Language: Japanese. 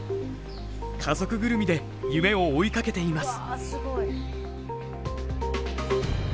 家族ぐるみで夢を追いかけています。